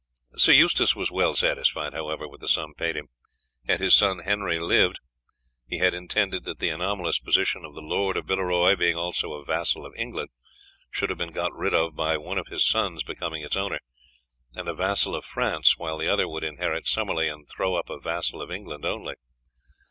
Sir Eustace was well satisfied, however, with the sum paid him. Had his son Henry lived he had intended that the anomalous position of the lord of Villeroy, being also a vassal of England, should have been got rid of by one of his sons becoming its owner, and a vassal of France, while the other would inherit Summerley, and grow up a vassal of England only.